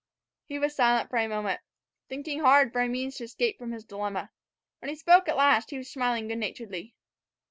He was silent for a while, thinking hard for a means of escape from his dilemma. When he spoke at last he was smiling good naturedly.